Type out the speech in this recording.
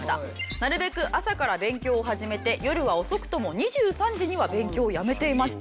「なるべく朝から勉強を始めて夜は遅くとも２３時には勉強をやめていました」。